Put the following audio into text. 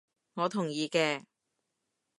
我同意嘅